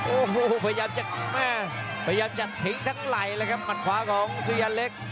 โอ้โหพยายามจะทิ้งทั้งไหล่เลยครับหมัดขวาของซุยาเล็ก